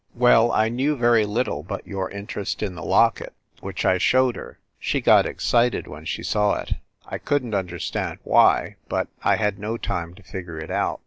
Well, I knew very little but your interest in the locket, which I showed her. She got excited when she saw it. I couldn t understand why, but I had no time to figure it out.